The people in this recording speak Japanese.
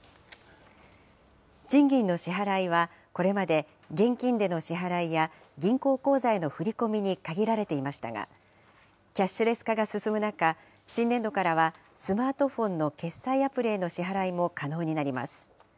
賃金の支払いは、これまで現金での支払いや、銀行口座への振り込みに限られていましたが、キャッシュレス化が進む中、新年度からはスマートフォンの決済アプリへの支払いも可能になります。